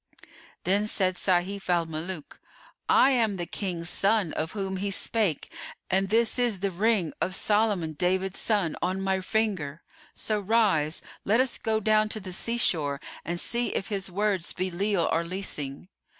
'" Then said Sayf al Muluk, "I am the King's son of whom he spake, and this is the ring of Solomon David son on my finger: so rise, let us go down to the sea shore and see if his words be leal or leasing!"